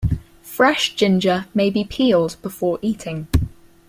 Fresh ginger may be peeled before eating.